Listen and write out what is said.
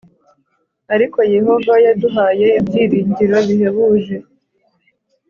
Ariko Yehova yaduhaye ibyiringiro bihebuje